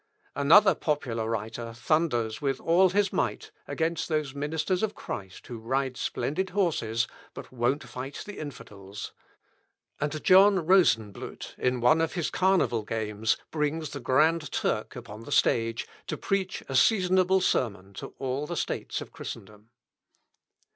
Another popular writer thunders with all his might against those ministers of Christ who ride splendid horses, but won't fight the infidels; and John Rosenblut, in one of his carnival games, brings the Grand Turk upon the stage, to preach a seasonable sermon to all the states of Christendom.